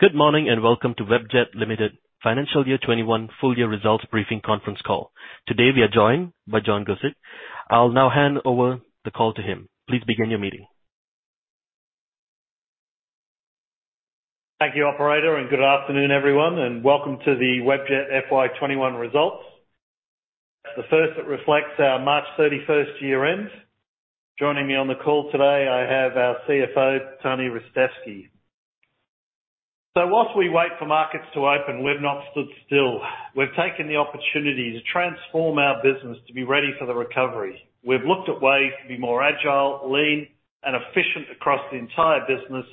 Good morning, and welcome to Webjet Limited Financial Year 2021 Full Year Results Briefing conference call. Today we are joined by John Guscic. I'll now hand over the call to him. Thank you operator. Good afternoon everyone. Welcome to the Webjet FY 2021 results. The first that reflects our March 31st year-end. Joining me on the call today, I have our CFO, Tony Ristevski. Whilst we wait for markets to open, we've not stood still. We've taken the opportunity to transform our business to be ready for the recovery. We've looked at ways to be more agile, lean, and efficient across the entire business,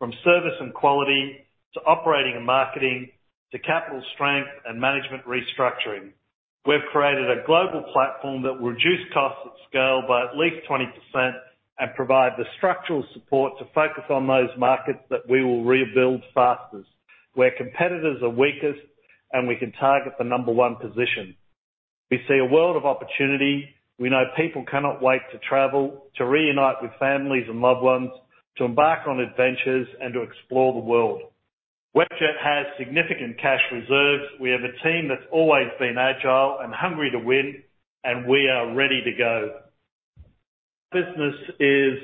from service and quality to operating and marketing, to capital strength and management restructuring. We've created a global platform that will reduce costs at scale by at least 20% and provide the structural support to focus on those markets that we will rebuild fastest, where competitors are weakest, and we can target the number one position. We see a world of opportunity. We know people cannot wait to travel, to reunite with families and loved ones, to embark on adventures, and to explore the world. Webjet has significant cash reserves. We have a team that's always been agile and hungry to win, and we are ready to go. Business is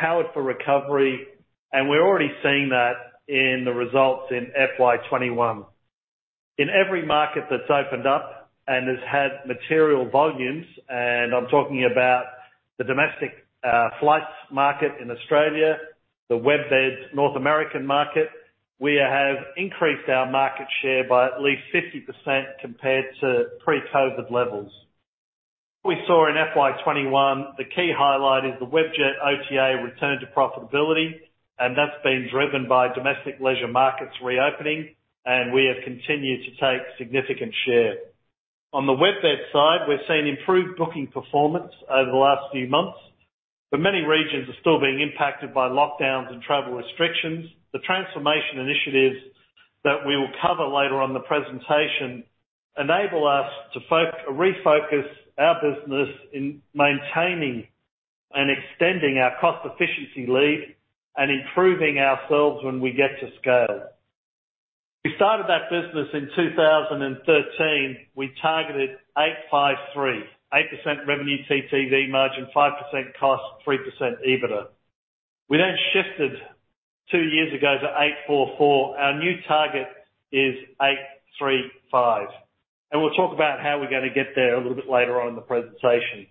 powered for recovery, and we're already seeing that in the results in FY 2021. In every market that's opened up and has had material volumes, and I'm talking about the domestic flights market in Australia, the WebBeds North American market, we have increased our market share by at least 50% compared to pre-COVID levels. We saw in FY 2021 the key highlight is the Webjet OTA return to profitability, and that's been driven by domestic leisure markets reopening, and we have continued to take significant share. On the WebBeds side, we've seen improved booking performance over the last few months, but many regions are still being impacted by lockdowns and travel restrictions. The transformation initiatives that we will cover later on in the presentation enable us to refocus our business in maintaining and extending our cost efficiency lead and improving ourselves when we get to scale. We started that business in 2013. We targeted 853, 8% revenue TTV margin, 5% cost, 3% EBITDA. We then shifted two years ago to 844. Our new target is 835, and we'll talk about how we're going to get there a little bit later on in the presentation.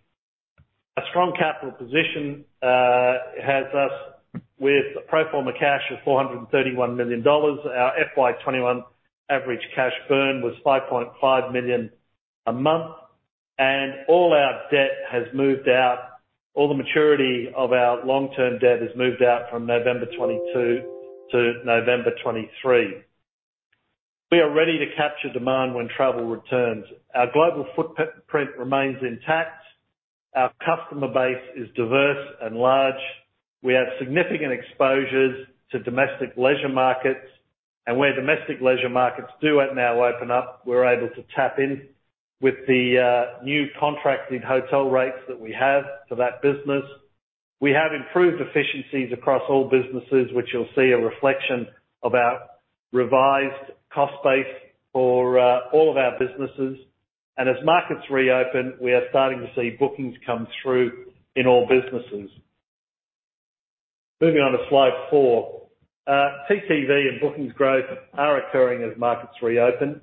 A strong capital position has us with pro forma cash of 431 million dollars. Our FY 2021 average cash burn was 5.5 million a month, and all our debt has moved out. All the maturity of our long-term debt has moved out from November 2022 to November 2023. We are ready to capture demand when travel returns. Our global footprint remains intact. Our customer base is diverse and large. We have significant exposures to domestic leisure markets. Where domestic leisure markets do now open up, we're able to tap in with the new contracted hotel rates that we have for that business. We have improved efficiencies across all businesses, which you'll see a reflection of our revised cost base for all of our businesses. As markets reopen, we are starting to see bookings come through in all businesses. Moving on to slide four. TTV and bookings growth are occurring as markets reopen.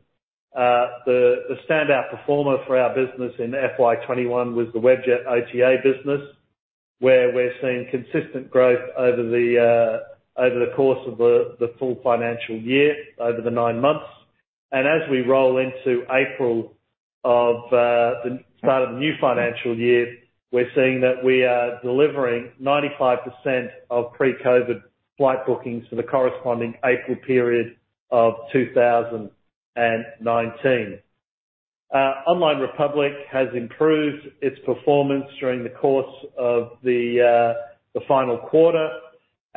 The standout performer for our business in FY 2021 was the Webjet OTA business, where we're seeing consistent growth over the course of the full financial year, over the nine months. As we roll into April of the start of the new financial year, we're seeing that we are delivering 95% of pre-COVID flight bookings for the corresponding April period of 2019. Online Republic has improved its performance during the course of the final quarter,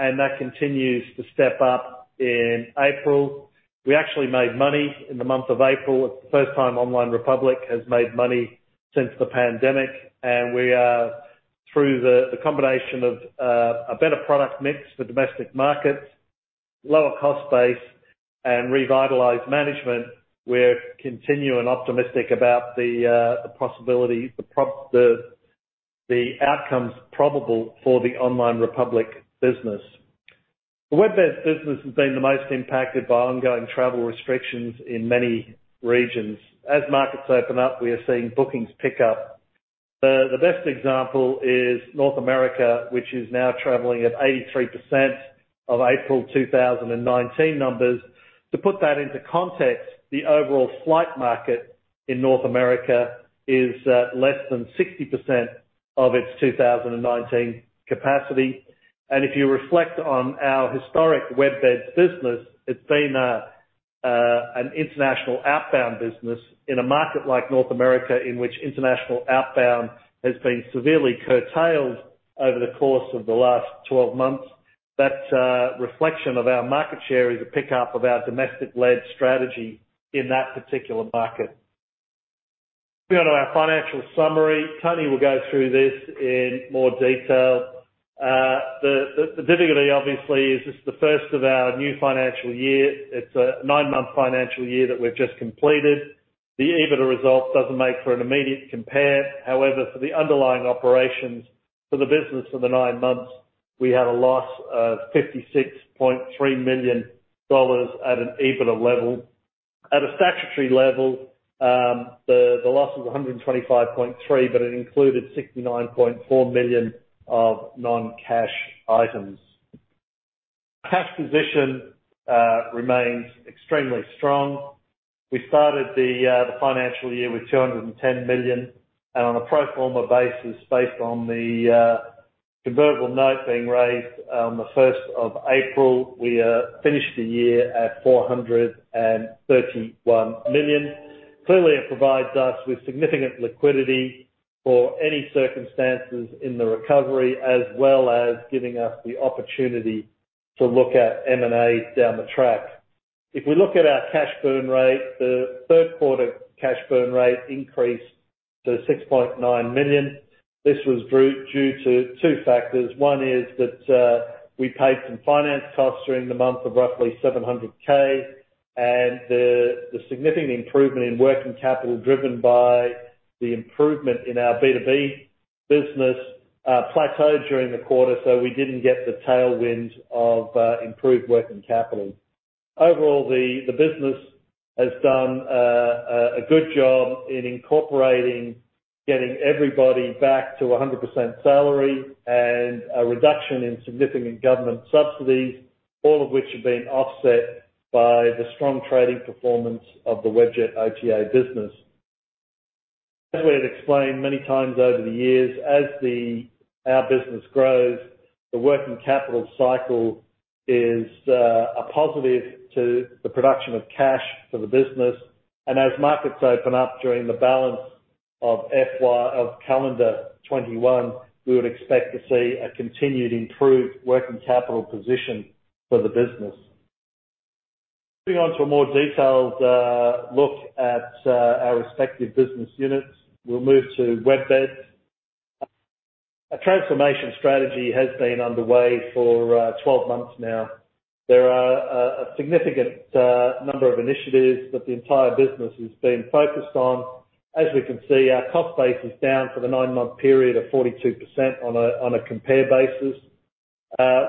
and that continues to step up in April. We actually made money in the month of April. It's the first time Online Republic has made money since the pandemic, and we are through the combination of a better product mix for domestic markets, lower cost base, and revitalized management. We're continuing optimistic about the outcomes probable for the Online Republic business. The WebBeds business has been the most impacted by ongoing travel restrictions in many regions. As markets open up, we are seeing bookings pick up. The best example is North America, which is now traveling at 83% of April 2019 numbers. To put that into context, the overall flight market in North America is at less than 60% of its 2019 capacity. If you reflect on our historic WebBeds business, it's been an international outbound business in a market like North America, in which international outbound has been severely curtailed over the course of the last 12 months. That reflection of our market share is a pick-up of our domestic-led strategy in that particular market. We go to our financial summary. Tony will go through this in more detail. The difficulty obviously is it's the first of our new financial year. It's a nine month financial year that we've just completed. The EBITDA result doesn't make for an immediate compare. However, for the underlying operations for the business for the nine months, we had a loss of 56.3 million dollars at an EBITDA level. At a statutory level, the loss was 125.3 million, but it included 69.4 million of non-cash items. Cash position remains extremely strong. We started the financial year with 210 million and on a pro forma basis, based on the convertible note being raised on the 1st of April, we finished the year at 431 million. Clearly, it provides us with significant liquidity for any circumstances in the recovery, as well as giving us the opportunity to look at M&As down the track. If we look at our cash burn rate, the third quarter cash burn rate increased to 6.9 million. This was due to two factors. One is that we paid some finance costs during the month of roughly 700K. The significant improvement in working capital driven by the improvement in our B2B business plateaued during the quarter, so we didn't get the tailwind of improved working capital. Overall, the business has done a good job in incorporating getting everybody back to 100% salary and a reduction in significant government subsidies, all of which have been offset by the strong trading performance of the Webjet OTA business. As we had explained many times over the years, as our business grows, the working capital cycle is a positive to the production of cash for the business. As markets open up during the balance of calendar 2021, we would expect to see a continued improved working capital position for the business. Moving on to a more detailed look at our respective business units. We'll move to WebBeds. A transformation strategy has been underway for 12 months now. There are a significant number of initiatives that the entire business has been focused on. As we can see, our cost base is down for the nine month period of 42% on a compare basis.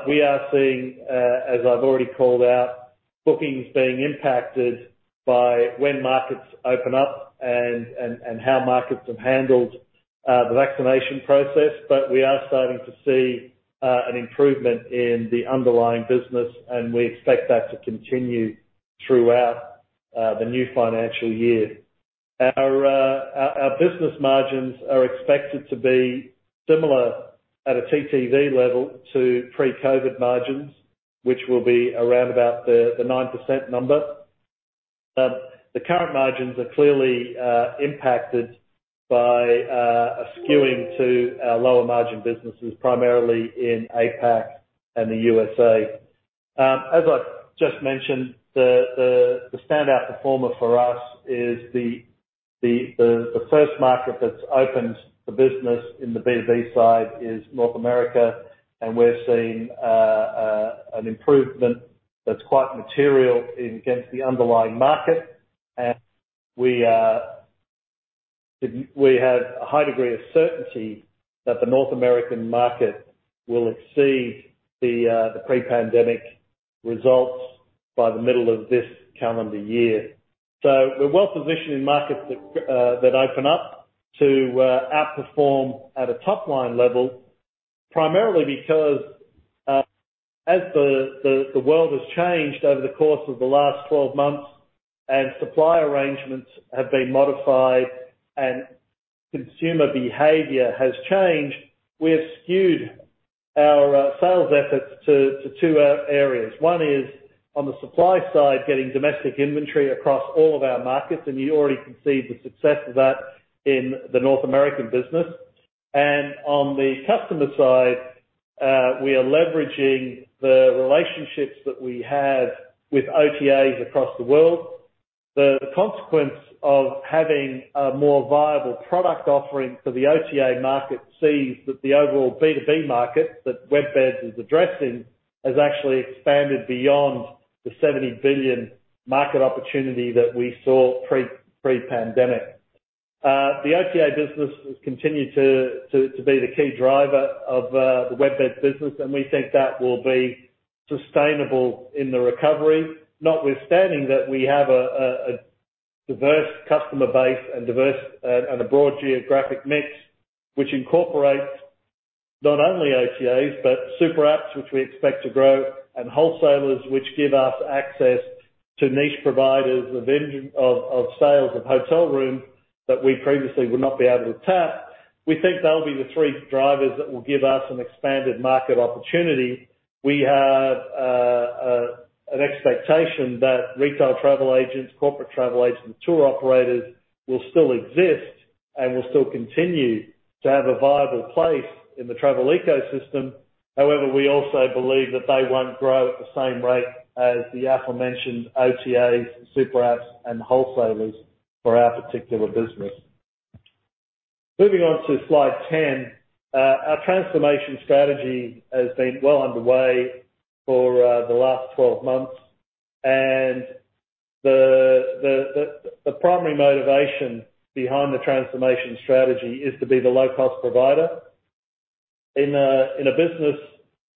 We are seeing, as I've already called out, bookings being impacted by when markets open up and how markets have handled the vaccination process. We are starting to see an improvement in the underlying business, and we expect that to continue throughout the new financial year. Our business margins are expected to be similar at a TTV level to pre-COVID margins, which will be around about the 9% number. The current margins are clearly impacted by a skewing to our lower margin businesses, primarily in APAC and the U.S.A. As I've just mentioned, the standout performer for us is the first market that's opened the business in the B2B side is North America, and we're seeing an improvement that's quite material against the underlying market. We have a high degree of certainty that the North American market will exceed the pre-pandemic results by the middle of this calendar year. We're well-positioned in markets that open up to outperform at a top-line level, primarily because as the world has changed over the course of the last 12 months and supply arrangements have been modified and consumer behavior has changed, we have skewed our sales efforts to two areas. One is on the supply side, getting domestic inventory across all of our markets, and you already can see the success of that in the North American business. On the customer side, we are leveraging the relationships that we have with OTAs across the world. The consequence of having a more viable product offering for the OTA market sees that the overall B2B market that WebBeds is addressing has actually expanded beyond the 70 billion market opportunity that we saw pre-pandemic. The OTA business will continue to be the key driver of the WebBeds business, and we think that will be sustainable in the recovery, notwithstanding that we have a diverse customer base and a broad geographic mix, which incorporates not only OTAs, but super apps, which we expect to grow, and wholesalers, which give us access to niche providers of sales of hotel rooms that we previously would not be able to tap. We think they'll be the three drivers that will give us an expanded market opportunity. We have an expectation that retail travel agents, corporate travel agents, and tour operators will still exist and will still continue to have a viable place in the travel ecosystem. We also believe that they won't grow at the same rate as the aforementioned OTAs, super apps, and wholesalers for our particular business. Moving on to slide 10, our transformation strategy has been well underway for the last 12 months. The primary motivation behind the transformation strategy is to be the low-cost provider in a business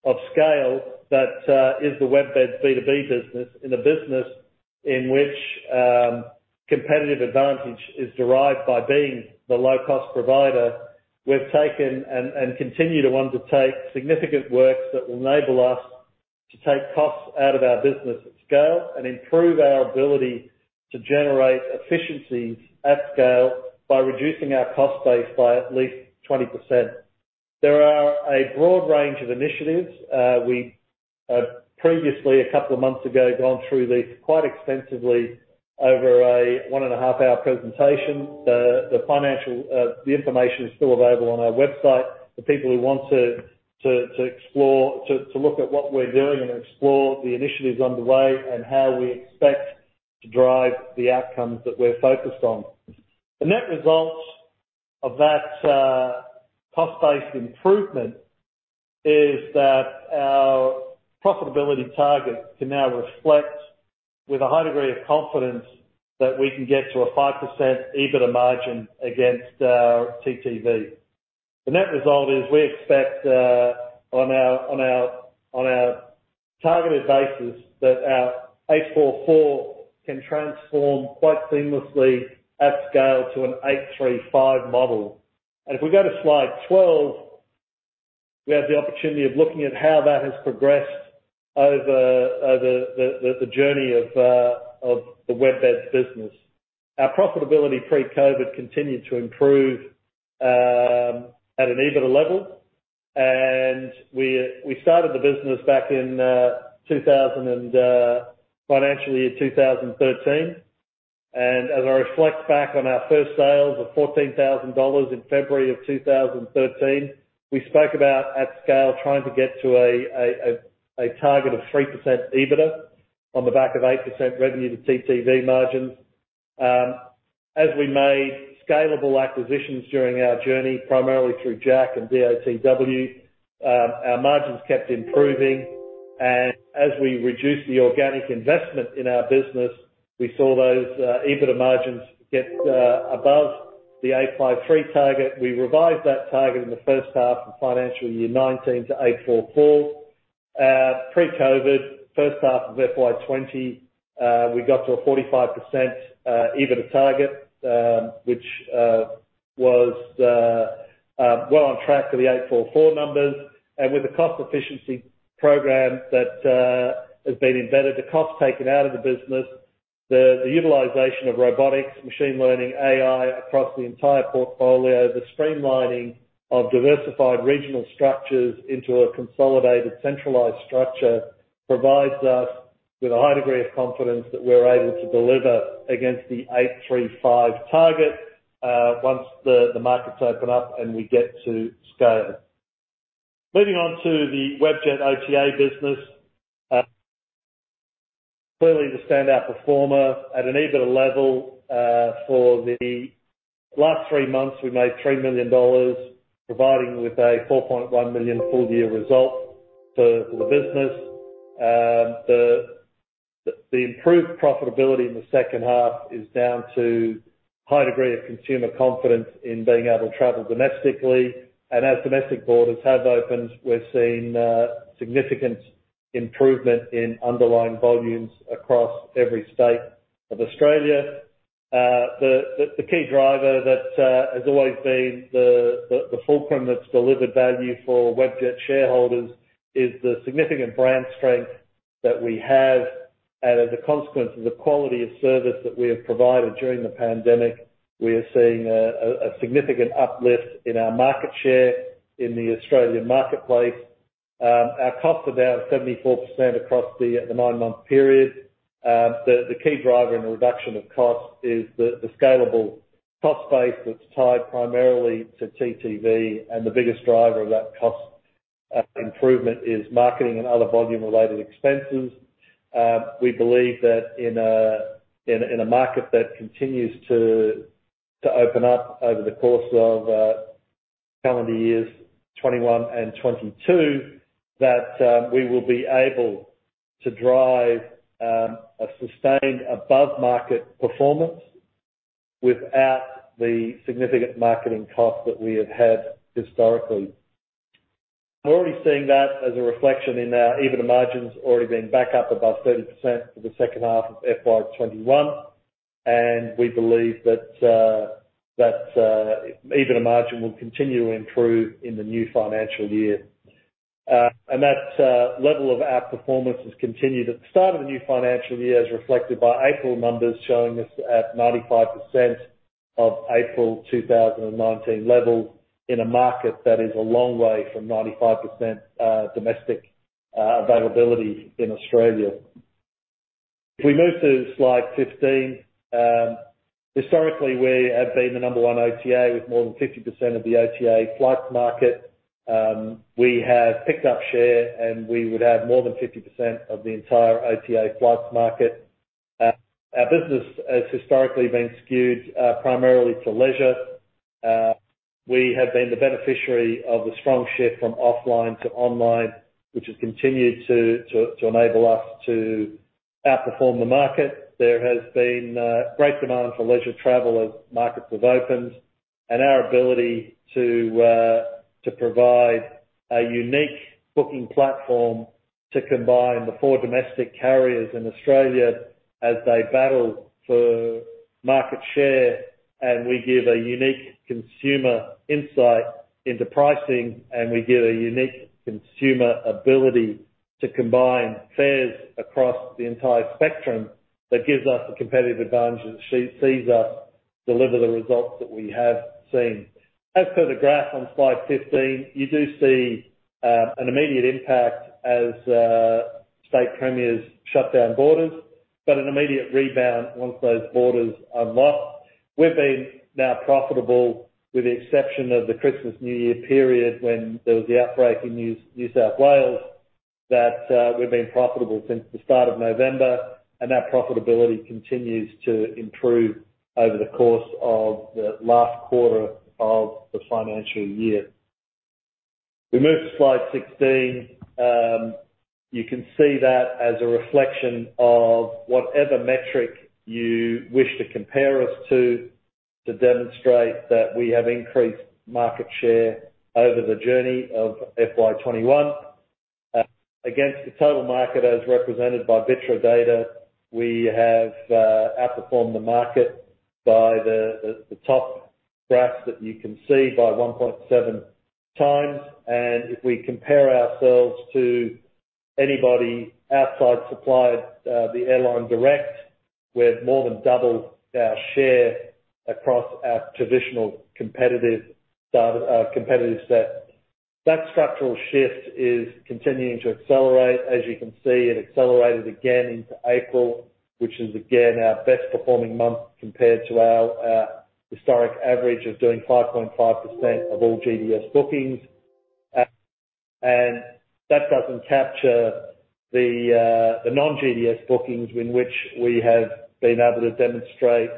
of scale that is the WebBeds B2B business, in a business in which competitive advantage is derived by being the low-cost provider. We've taken and continue to undertake significant works that will enable us to take costs out of our business at scale and improve our ability to generate efficiencies at scale by reducing our cost base by at least 20%. There are a broad range of initiatives. We previously, a couple of months ago, gone through these quite extensively over a 1.5 hour presentation. The information is still available on our website for people who want to look at what we're doing and explore the initiatives underway and how we expect to drive the outcomes that we're focused on. The net results of that cost-based improvement is that our profitability target can now reflect with a high degree of confidence that we can get to a 5% EBITDA margin against our TTV. The net result is we expect on a targeted basis that our 844 can transform quite seamlessly at scale to an 835 model. As we go to slide 12, we have the opportunity of looking at how that has progressed over the journey of the WebBeds business. Our profitability pre-COVID continued to improve at an EBITDA level, and we started the business back in financial year 2013. As I reflect back on our first sales of 14,000 dollars in February of 2013, we spoke about at scale, trying to get to a target of 3% EBITDA on the back of 8% revenue to TTV margins. As we made scalable acquisitions during our journey, primarily through JacTravel and DOTW, our margins kept improving, and as we reduced the organic investment in our business, we saw those EBITDA margins get above the 853 target. We revised that target in the first half of FY 2019 to 844. Pre-COVID, first half of FY 2020, we got to a 4.5% EBITDA target, which was well on track for the 844 numbers. With the cost efficiency program that has been embedded, the cost taken out of the business, the utilization of robotics, machine learning, AI across the entire portfolio, the streamlining of diversified regional structures into a consolidated centralized structure provides us with a high degree of confidence that we're able to deliver against the 835 target once the markets open up and we get to scale. Moving on to the Webjet OTA business. Clearly the standout performer at an EBITDA level. For the last three months, we made 3 million dollars, providing with a 4.1 million full-year result for the business. The improved profitability in the second half is down to a high degree of consumer confidence in being able to travel domestically. As domestic borders have opened, we're seeing significant improvement in underlying volumes across every state of Australia. The key driver has always been the fulcrum that's delivered value for Webjet shareholders is the significant brand strength that we have. As a consequence of the quality of service that we have provided during the pandemic, we are seeing a significant uplift in our market share in the Australian marketplace. Our costs are down 74% across the nine month period. The key driver in the reduction of costs is the scalable cost base that's tied primarily to TTV, and the biggest driver of that cost improvement is marketing and other volume-related expenses. We believe that in a market that continues to open up over the course of calendar years 2021 and 2022, that we will be able to drive a sustained above-market performance without the significant marketing cost that we have had historically. We're already seeing that as a reflection in our EBITDA margins already being back up above 30% for the second half of FY 2021. We believe that EBITDA margin will continue to improve in the new financial year. That level of outperformance has continued at the start of the new financial year, as reflected by April numbers showing us at 95% of April 2019 levels in a market that is a long way from 95% domestic availability in Australia. If we move to slide 15. Historically, we have been the number one OTA with more than 50% of the OTA flight market. We have picked up share, and we would have more than 50% of the entire OTA flight market. Our business has historically been skewed primarily to leisure. We have been the beneficiary of a strong shift from offline to online, which has continued to enable us to outperform the market. There has been great demand for leisure travel as markets have opened, and our ability to provide a unique booking platform to combine the four domestic carriers in Australia as they battle for market share. We give a unique consumer insight into pricing, and we give a unique consumer ability to combine fares across the entire spectrum that gives us a competitive advantage that sees us deliver the results that we have seen. As per the graph on slide 15, you do see an immediate impact as state premiers shut down borders, but an immediate rebound once those borders unlocked. We've been now profitable, with the exception of the Christmas new year period when there was the outbreak in New South Wales. That we've been profitable since the start of November, and our profitability continues to improve over the course of the last quarter of the financial year. We move to slide 16. You can see that as a reflection of whatever metric you wish to compare us to demonstrate that we have increased market share over the journey of FY 2021. Against the total market, as represented by BITRE data, we have outperformed the market by the top bracket you can see by 1.7 times. If we compare ourselves to anybody outside supplied the airline direct, we have more than doubled our share across our traditional competitive set. That structural shift is continuing to accelerate. As you can see, it accelerated again into April, which is again our best-performing month compared to our historic average of doing 5.5% of all GDS bookings. That doesn't capture the non-GDS bookings, in which we have been able to demonstrate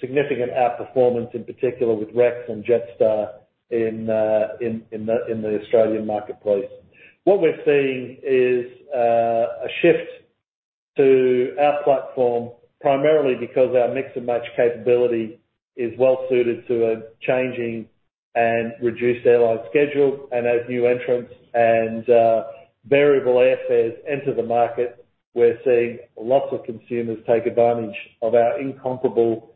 significant outperformance, in particular with Rex and Jetstar in the Australian marketplace. What we're seeing is a shift to our platform primarily because our mix-and-match capability is well suited to a changing and reduced airline schedule. As new entrants and variable airfares enter the market, we're seeing lots of consumers take advantage of our incomparable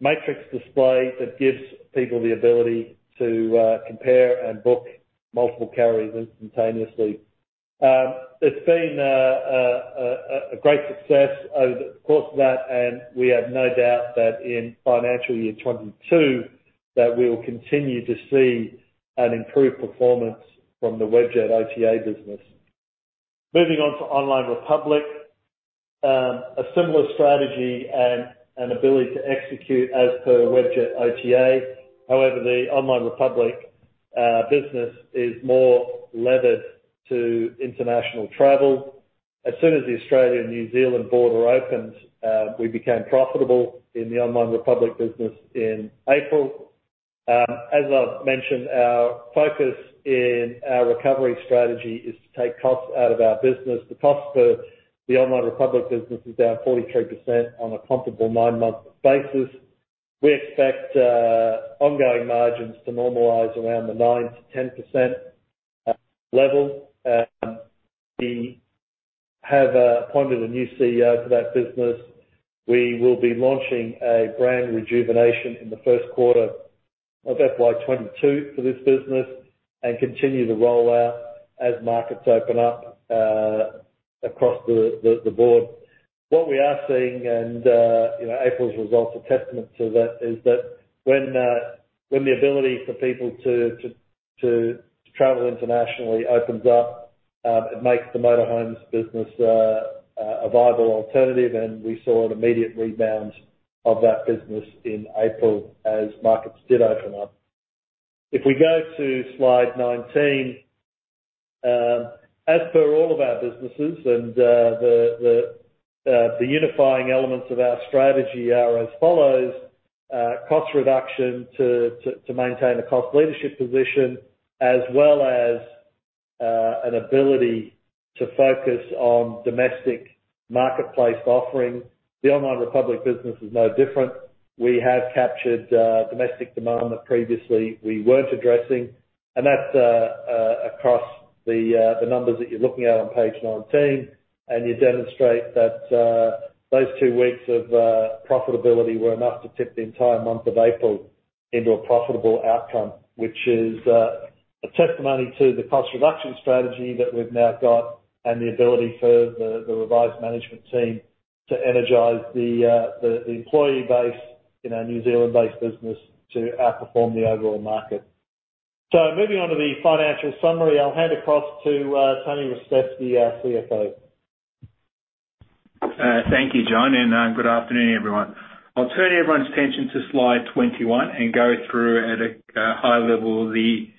matrix display that gives people the ability to compare and book multiple carriers instantaneously. It's been a great success over the course of that, and we have no doubt that in FY 2022 that we will continue to see an improved performance from the Webjet OTA business. Moving on to Online Republic. A similar strategy and ability to execute as per Webjet OTA. However, the Online Republic business is more levered to international travel. As soon as the Australia and New Zealand border opened, we became profitable in the Online Republic business in April. As I've mentioned, our focus in our recovery strategy is to take costs out of our business. The cost for the Online Republic business is down 43% on a comparable nine month basis. We expect ongoing margins to normalize around the nine to 10% level. We have appointed a new CEO for that business. We will be launching a brand rejuvenation in the first quarter of FY 2022 for this business and continue the rollout as markets open up across the board. What we are seeing, and April's results are testament to that, is that when the ability for people to travel internationally opens up, it makes the motorhomes business a viable alternative. We saw an immediate rebound of that business in April as markets did open up. If we go to slide 19. As for all of our businesses, the unifying elements of our strategy are as follows. Cost reduction to maintain a cost leadership position, as well as an ability to focus on domestic marketplace offerings. The Online Republic business is no different. We have captured domestic demand that previously we weren't addressing, that's across the numbers that you're looking at on page 19. You demonstrate that those two weeks of profitability were enough to tip the entire month of April into a profitable outcome, which is a testimony to the cost reduction strategy that we've now got and the ability for the revised management team to energize the employee base in our New Zealand-based business to outperform the overall market. Moving on to the financial summary, I'll hand across to Tony Ristevski, the CFO. Thank you, John. Good afternoon, everyone. I'll turn everyone's attention to slide 21 and go through at a high level the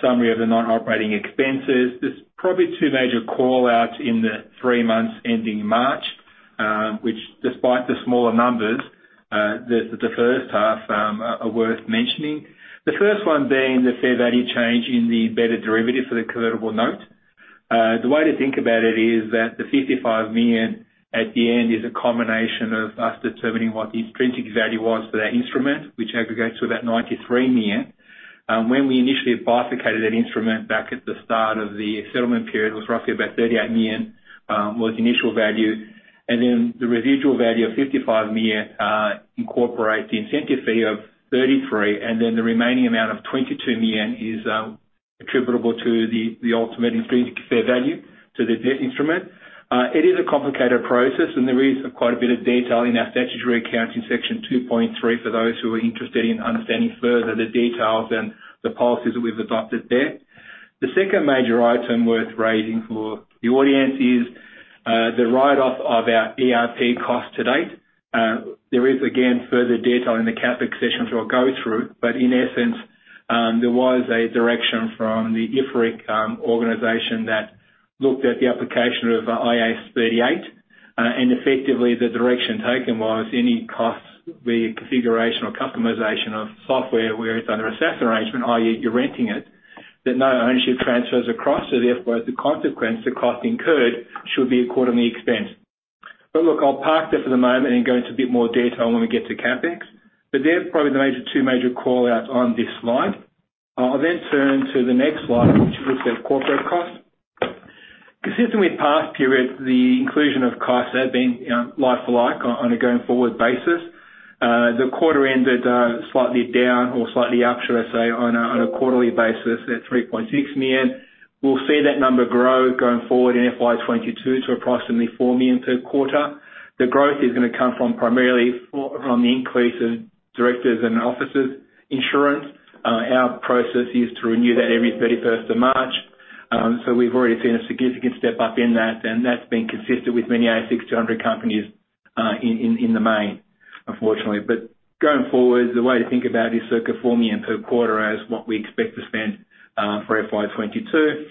summary of the non-operating expenses. There's probably two major call-outs in the three months ending March, which despite the smaller numbers, the first half are worth mentioning. The first one being the fair value change in the embedded derivative for the convertible note. The way to think about it is that the 55 million at the end is a combination of us determining what the intrinsic value was for that instrument, which aggregates to about AUD 93 million. When we initially bifurcated that instrument back at the start of the settlement period, it was roughly about 38 million was the initial value, and then the residual value of 55 million incorporates the incentive fee of 33 million, and then the remaining amount of 22 million is attributable to the ultimate intrinsic fair value to the debt instrument. It is a complicated process, and there is quite a bit of detail in our statutory accounting section 2.3 for those who are interested in understanding further the details and the policies that we've adopted there. The second major item worth raising for the audience is the write-off of our ERP cost-to-date. There is again, further detail in the capital sections I'll go through, in essence, there was a direction from the IFRIC organization that looked at the application of IAS 38, and effectively the direction taken was any cost via configuration or customization of software where it's under a SaaS arrangement, i.e., you're renting it, that no ownership transfers across so therefore the consequence the cost incurred should be accordingly expensed. Look, I'll park that for the moment and go into a bit more detail when we get to CapEx. They're probably the major two major call-outs on this slide. I'll turn to the next slide, which is our corporate costs. Consistent with past periods, the inclusion of Kyasa being like for like on a going-forward basis. The quarter ended slightly down or slightly up should I say on a quarterly basis at 3.6 million. We'll see that number grow going forward in FY 2022 to approximately 4 million per quarter. The growth is going to come from primarily from the increase in directors and officers insurance. Our process is to renew that every 31st of March. We've already seen a significant step up in that, and that's been consistent with many ASX 200 companies in the main, unfortunately. Going forward, the way to think about is 4 million per quarter as what we expect to spend for FY 2022.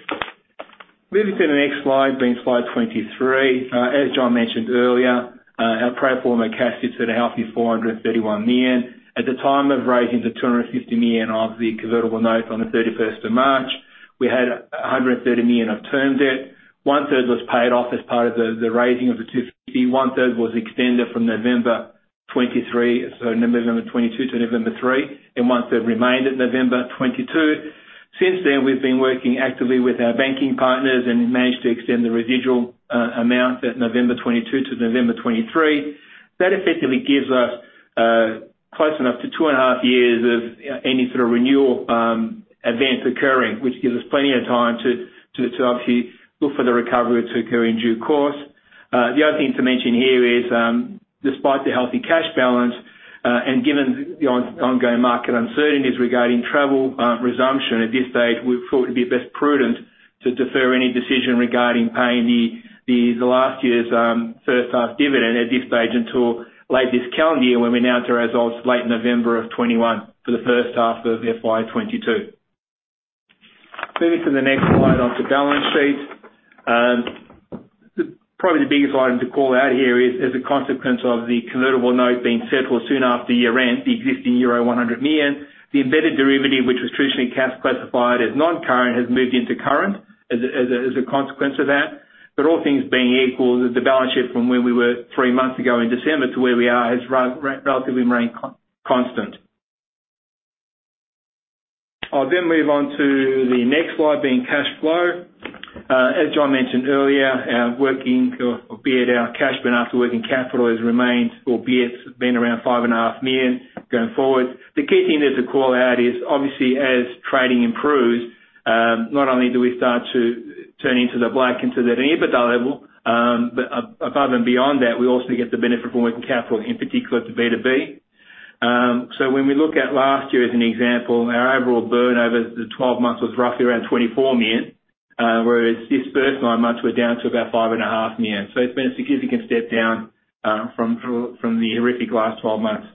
Moving to the next slide, being slide 23. As John mentioned earlier, our pro forma cash is at a healthy 431 million. At the time of raising the 250 million of the convertible note on the 31st of March, we had 130 million of term debt. One-third was paid off as part of the raising of the 250. One-third was extended from November 2022 to November 2023, and one-third remained at November 2022. Since then, we've been working actively with our banking partners and managed to extend the residual amount that November 2022 to November 2023. That effectively gives us close enough to two and a half years of any sort of renewal events occurring, which gives us plenty of time to obviously look for the recovery to occur in due course. The other thing to mention here is, despite the healthy cash balance, and given the ongoing market uncertainties regarding travel resumption at this stage, we thought it'd be best prudent to defer any decision regarding paying the last year's first half dividend at this stage until late this calendar year when we announce our results late November of 2021 for the first half of FY 2022. Moving to the next slide on to balance sheets. The biggest item to call out here is as a consequence of the convertible note being settled soon after year-end, the existing EUR 100 million, the embedded derivative, which was traditionally cash classified as non-current, has moved into current as a consequence of that. All things being equal, the balance sheet from where we were three months ago in December to where we are has relatively remained constant. I'll move on to the next slide being cash flow. As John mentioned earlier, our working, be it our cash burn or working capital has remained or been around 5.5 million going forward. The key thing there to call out is obviously as trading improves, not only do we start to turn into the black into that EBITDA level, but above and beyond that, we also get the benefit of working capital, in particular for B2B. When we look at last year as an example, our overall burn over the 12 months was roughly around 24 million, whereas this first nine months, we're down to about 5.5 million. It's been a significant step down from the horrific last 12 months.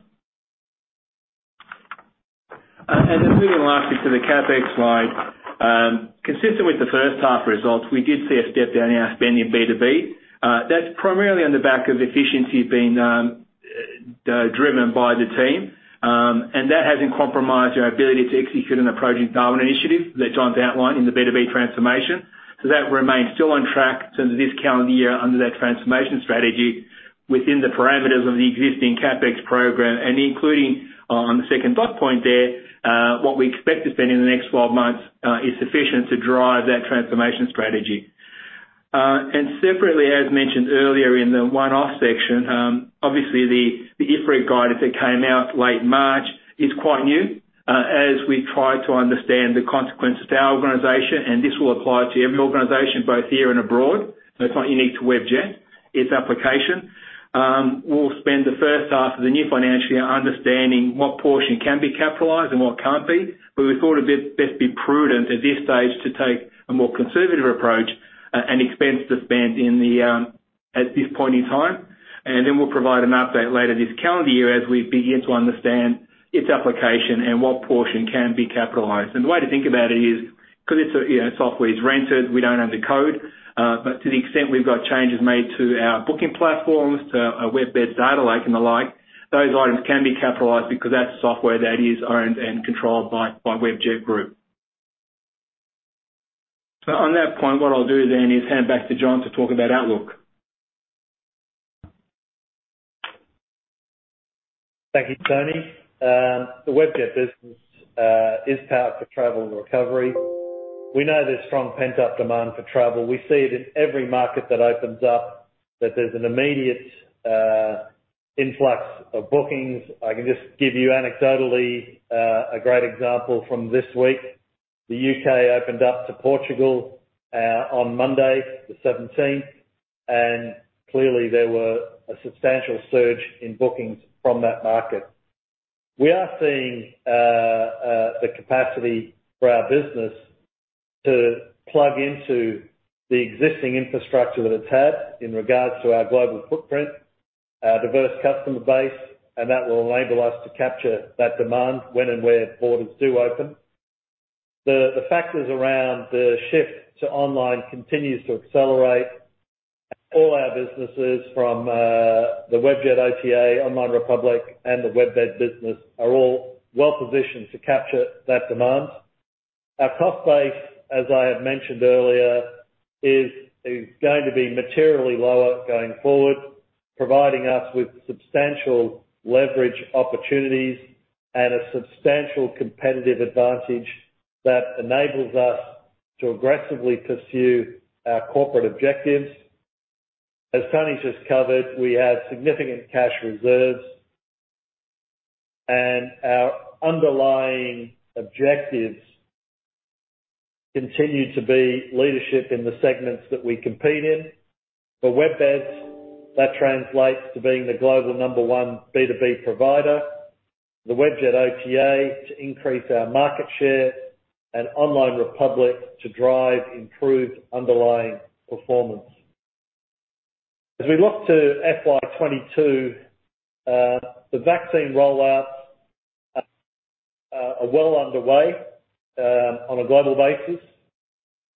Finally, lastly, to the CapEx slide. Consistent with the first half results, we did see a step down in our spending in B2B. That's primarily on the back of efficiency being driven by the team, and that hasn't compromised our ability to execute on approaching dominant initiatives that John's outlined in the B2B transformation. That remains still on track to this calendar year under that transformation strategy within the parameters of the existing CapEx program and including on the second dot point there, what we expect to spend in the next 12 months is sufficient to drive that transformation strategy. Separately, as mentioned earlier in the one-off section, obviously the IFRIC guidance that came out late March is quite new as we try to understand the consequence of our organization, and this will apply to every organization both here and abroad. That's not unique to Webjet, its application. We'll spend the first half of the new financial year understanding what portion can be capitalized and what can't be. We thought it best be prudent at this stage to take a more conservative approach and expense the spend at this point in time, then we'll provide an update later this calendar year as we begin to understand its application and what portion can be capitalized. The way to think about it is because this software is rented, we don't own the code. To the extent we've got changes made to our booking platforms, to our Webjet Data Lake and the like, those items can be capitalized because that's software that is owned and controlled by Webjet Group. On that point, what I'll do then is hand back to John to talk about outlook. Thank you, Tony. The Webjet business is powered for travel and recovery. We know there's strong pent-up demand for travel. We see it in every market that opens up, that there's an immediate influx of bookings. I can just give you anecdotally a great example from this week. The U.K. opened up to Portugal on Monday the 17th. Clearly there were a substantial surge in bookings from that market. We are seeing the capacity for our business to plug into the existing infrastructure that it has in regards to our global footprint, our diverse customer base. That will enable us to capture that demand when and where borders do open. The factors around the shift to online continues to accelerate. All our businesses from the Webjet OTA, Online Republic, and the WebBeds business are all well-positioned to capture that demand. Our cost base, as I have mentioned earlier, is going to be materially lower going forward, providing us with substantial leverage opportunities and a substantial competitive advantage that enables us to aggressively pursue our corporate objectives. As Tony just covered, we have significant cash reserves, and our underlying objectives continue to be leadership in the segments that we compete in. For Webjet, that translates to being the global number one B2B provider, the Webjet OTA to increase our market share, and Online Republic to drive improved underlying performance. As we look to FY 2022, the vaccine rollouts are well underway on a global basis.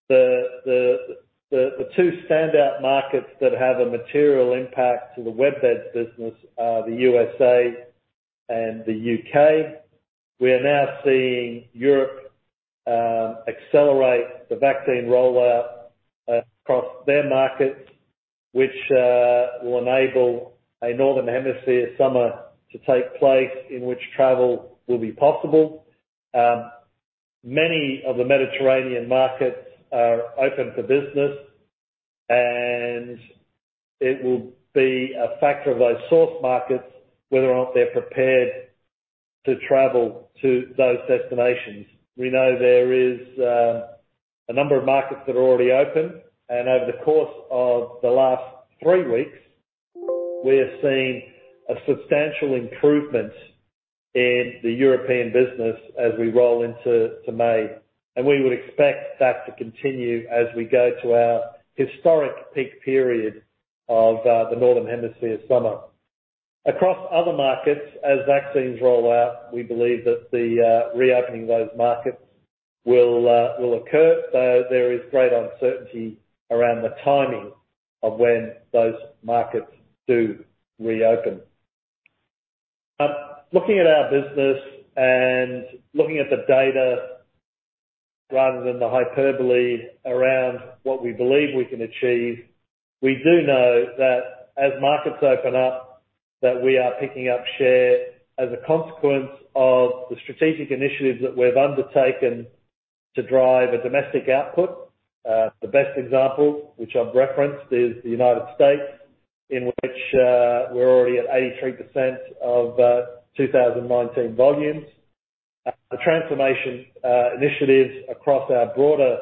The two standout markets that have a material impact to the Webjet business are the U.S.A. and the U.K. We are now seeing Europe accelerate the vaccine rollout across their markets, which will enable a Northern Hemisphere summer to take place in which travel will be possible. Many of the Mediterranean markets are open for business, and it will be a factor of those source markets whether or not they're prepared to travel to those destinations. We know there is a number of markets that are already open, and over the course of the last three weeks, we have seen a substantial improvement in the European business as we roll into May, and we would expect that to continue as we go to our historic peak period of the Northern Hemisphere summer. Across other markets, as vaccines roll out, we believe that the reopening of those markets will occur, though there is great uncertainty around the timing of when those markets do reopen. Looking at our business and looking at the data rather than the hyperbole around what we believe we can achieve, we do know that as markets open up, that we are picking up share as a consequence of the strategic initiatives that we've undertaken to drive a domestic output. The best example, which I've referenced, is the United States, in which we're already at 83% of 2019 volumes. The transformation initiatives across our broader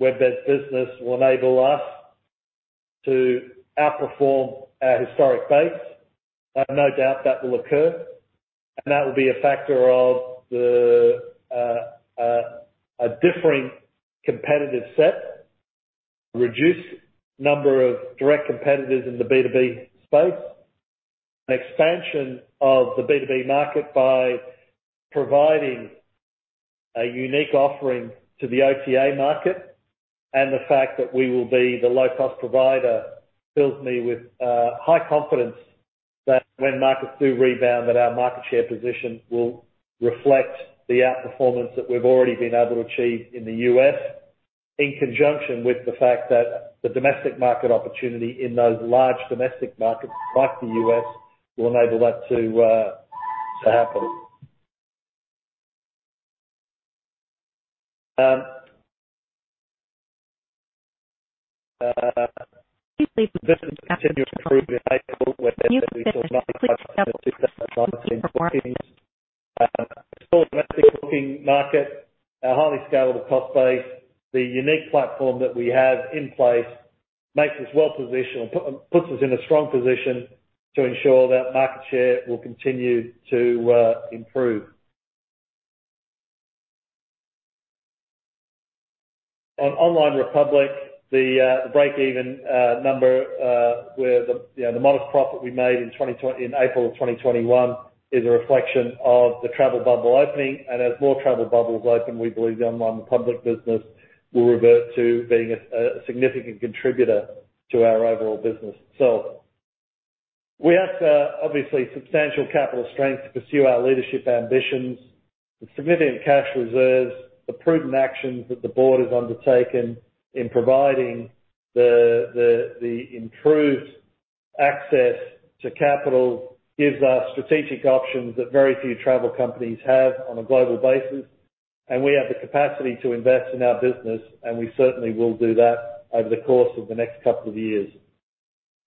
Webjet business will enable us to outperform our historic base. I have no doubt that will occur. That will be a factor of a differing competitive set, a reduced number of direct competitors in the B2B space, an expansion of the B2B market by providing a unique offering to the OTA market. The fact that we will be the low-cost provider fills me with high confidence that when markets do rebound, that our market share position will reflect the outperformance that we've already been able to achieve in the U.S., in conjunction with the fact that the domestic market opportunity in those large domestic markets like the U.S. will enable that to happen. Speaking of business continues to prove to be a focal point that we do not need much exposure to the customer since beginning. A strong active booking market, a highly scalable cost base. The unique platform that we have in place makes us well-positioned, puts us in a strong position to ensure that market share will continue to improve. On Online Republic, the breakeven number where the modest profit we made in April 2021 is a reflection of the travel bubble opening. As more travel bubbles open, we believe the Online Republic business will revert to being a significant contributor to our overall business itself. We have, obviously, substantial capital strength to pursue our leadership ambitions with significant cash reserves. The prudent actions that the board has undertaken in providing the improved access to capital gives us strategic options that very few travel companies have on a global basis. We have the capacity to invest in our business. We certainly will do that over the course of the next couple of years.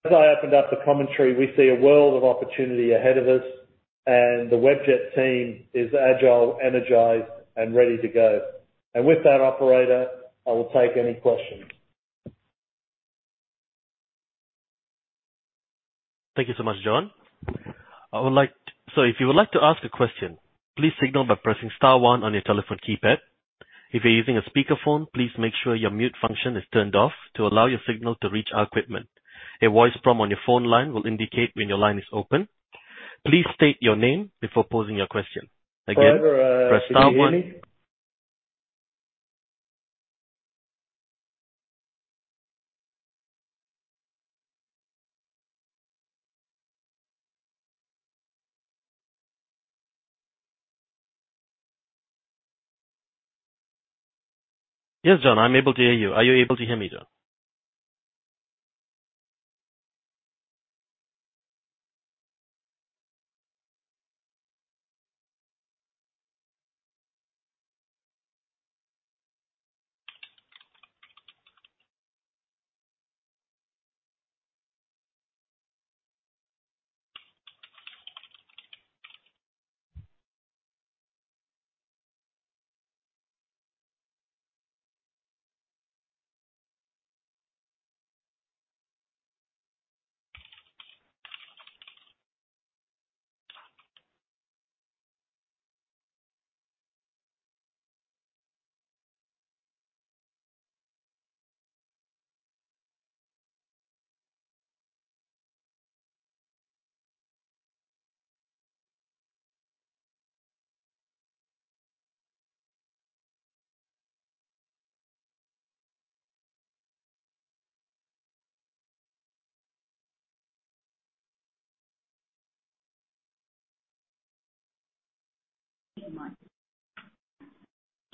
As I open up the commentary, we see a world of opportunity ahead of us, and the Webjet team is agile, energized, and ready to go. With that, operator, I will take any questions. Thank you so much, John. If you would like to ask a question, please signal by pressing star one on your telephone keypad. If you're using a speakerphone, please make sure your mute function is turned off to allow your signal to reach our equipment. A voice prompt on your phone line will indicate when your line is open. Please state your name before posing your question. Again, press star one. Sorry, Tony, can you hear me? Yes, John, I'm able to hear you. Are you able to hear me, John?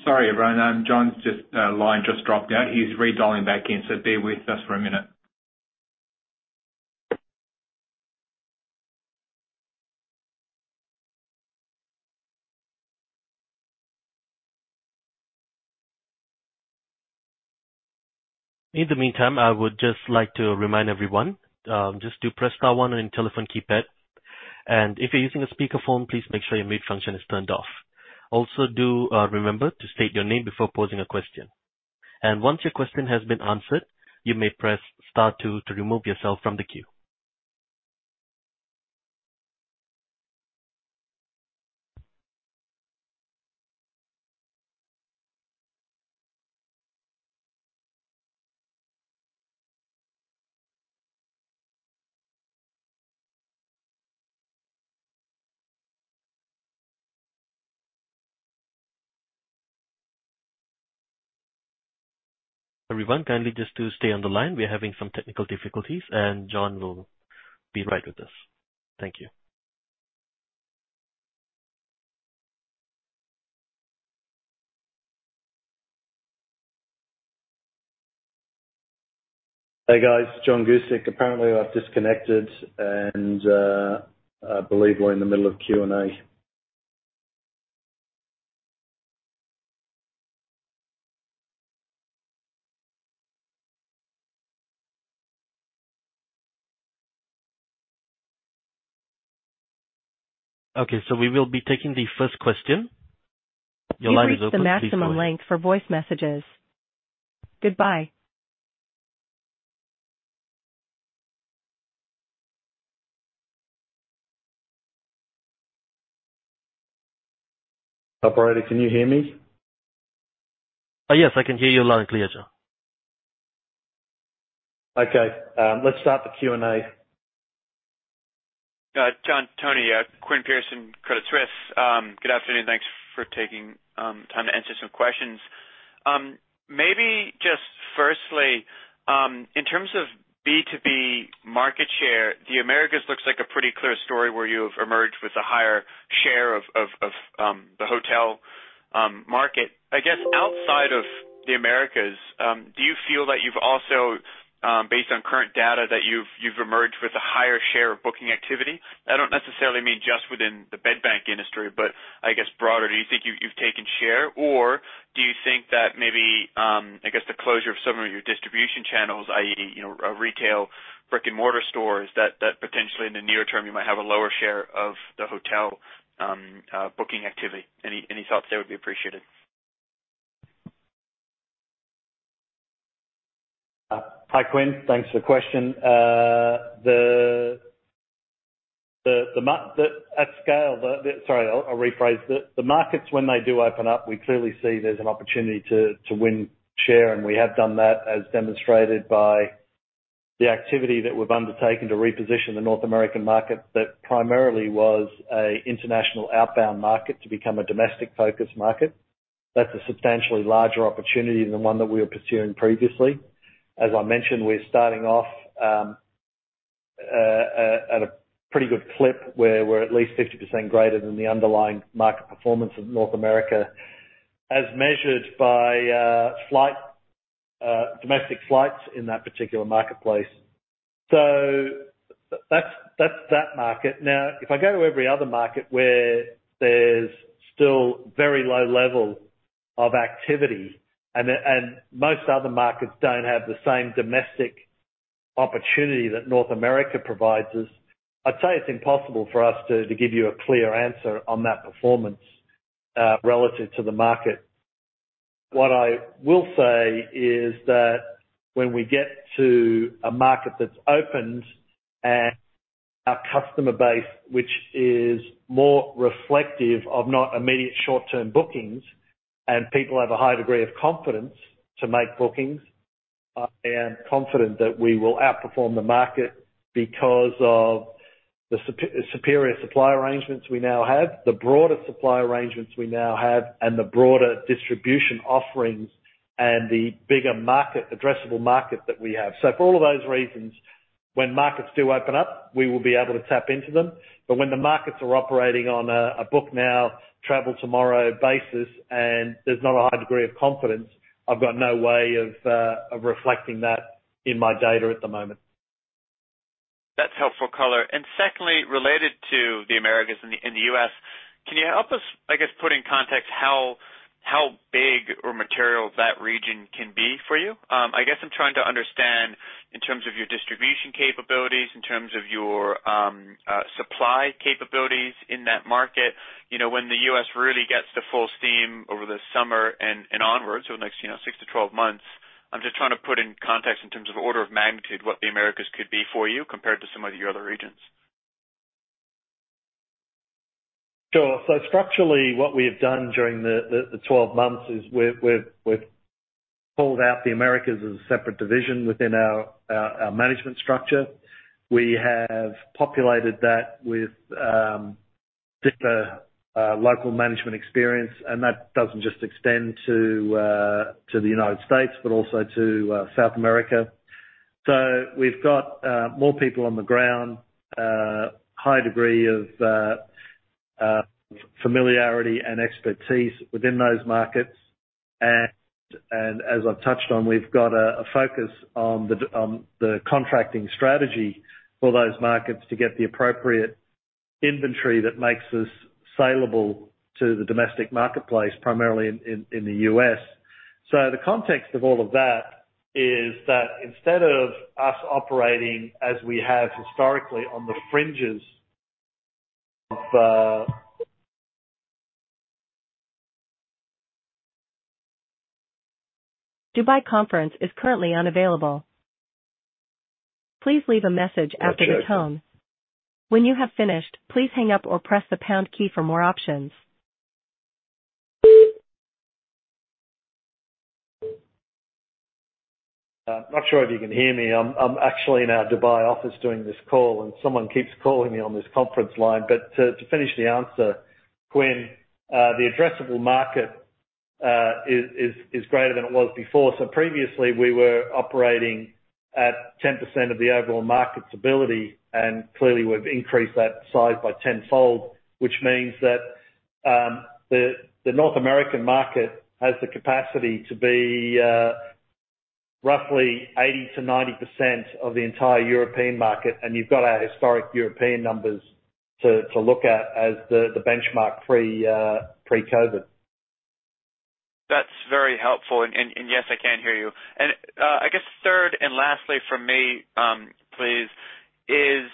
Sorry, John's line just dropped out. He's redialing back in, so bear with us for a minute. In the meantime, I would just like to remind everyone, just to press star one on your telephone keypad. If you're using a speakerphone, please make sure your mute function is turned off. Also, do remember to state your name before posing a question. Once your question has been answered, you may press star two to remove yourself from the queue. Everyone, kindly just do stay on the line. We're having some technical difficulties, and John will be right with us. Thank you. Hey, guys. John. Apparently, I've disconnected, and I believe we're in the middle of Q&A. Okay. We will be taking the first question. Your line is open. Please go ahead. Operator, can you hear me? Yes, I can hear you loud and clear, John. Okay. Let's start the Q&A. John, Tony. Quinn Pierson, Credit Suisse. Good afternoon. Thanks for taking time to answer some questions. Maybe just firstly, in terms of B2B market share, the Americas looks like a pretty clear story where you have emerged with a higher share of the hotel market. I guess outside of the Americas, do you feel that you've also, based on current data, that you've emerged with a higher share of booking activity? I don't necessarily mean just within the bed bank industry, but I guess, do you think you've taken share, or do you think that maybe the closure of some of your distribution channels, i.e., retail brick-and-mortar stores, that potentially in the near term you might have a lower share of the hotel booking activity? Any thoughts there would be appreciated. Hi, Quinn. Thanks for the question. Sorry, I'll rephrase. The markets, when they do open up, we clearly see there's an opportunity to win share. We have done that, as demonstrated by the activity that we've undertaken to reposition the North American market that primarily was an international outbound market to become a domestic-focused market. That's a substantially larger opportunity than the one that we were pursuing previously. As I mentioned, we're starting off at a pretty good clip, where we're at least 50% greater than the underlying market performance of North America, as measured by domestic flights in that particular marketplace. That's that market. Now, if I go to every other market where there's still very low level of activity, and most other markets don't have the same domestic opportunity that North America provides us, I'd say it's impossible for us to give you a clear answer on that performance relative to the market. What I will say is that when we get to a market that's opened and our customer base, which is more reflective of not immediate short-term bookings and people have a high degree of confidence to make bookings, I am confident that we will outperform the market because of the superior supply arrangements we now have, the broader supply arrangements we now have, and the broader distribution offerings and the bigger addressable market that we have. For all those reasons, when markets do open up, we will be able to tap into them. When the markets are operating on a book now, travel tomorrow basis, and there's not a high degree of confidence, I've got no way of reflecting that in my data at the moment. That's helpful color. Secondly, related to the Americas and the U.S., can you help us, I guess, put in context how big or material that region can be for you? I guess I'm trying to understand in terms of your distribution capabilities, in terms of your supply capabilities in that market, when the U.S. really gets to full steam over the summer and onwards over the next six to 12 months. I'm just trying to put in context in terms of order of magnitude, what the Americas could be for you compared to some of your other regions. Sure. Structurally, what we have done during the 12 months is we've pulled out the Americas as a separate division within our management structure. We have populated that with deeper local management experience, and that doesn't just extend to the U.S., but also to South America. We've got more people on the ground, a high degree of familiarity and expertise within those markets, and as I've touched on, we've got a focus on the contracting strategy for those markets to get the appropriate inventory that makes us saleable to the domestic marketplace, primarily in the U.S. The context of all of that is that instead of us operating as we have historically on the fringes of the. I'm not sure if you can hear me. I'm actually in our Dubai office doing this call, and someone keeps calling me on this conference line. To finish the answer, Quinn, the addressable market is greater than it was before. Previously, we were operating at 10% of the overall market's ability, and clearly, we've increased that size by 10-fold, which means that the North American market has the capacity to be roughly 80%-90% of the entire European market, and you've got our historic European numbers to look at as the benchmark pre-COVID. That's very helpful, and yes, I can hear you. I guess third and lastly from me, please, is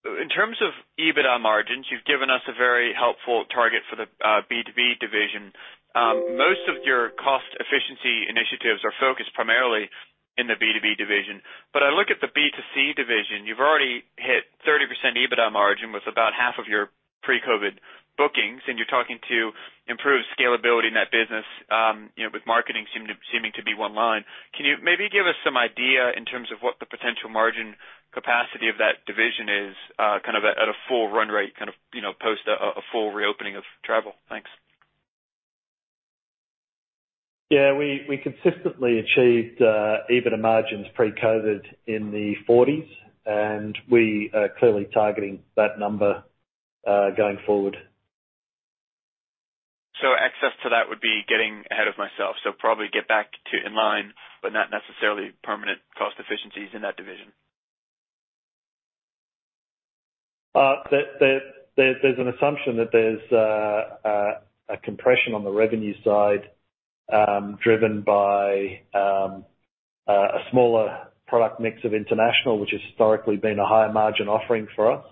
in terms of EBITDA margins, you've given us a very helpful target for the B2B division. Most of your cost efficiency initiatives are focused primarily in the B2B division. I look at the B2C division, you've already hit 30% EBITDA margin with about half of your pre-COVID bookings, and you're talking to improved scalability in that business, with marketing seeming to be one line. Can you maybe give us some idea in terms of what the potential margin capacity of that division is at a full run rate, post a full reopening of travel? Thanks. Yeah. We consistently achieved EBITDA margins pre-COVID in the 40s. We are clearly targeting that number going forward. Access to that would be getting ahead of myself. Probably get back to in line, but not necessarily permanent cost efficiencies in that division? There's an assumption that there's a compression on the revenue side, driven by a smaller product mix of international, which has historically been a higher margin offering for us.